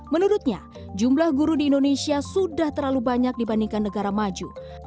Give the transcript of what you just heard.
menurutnya jumlah guru di indonesia sudah terlalu banyak dibandingkan negara maju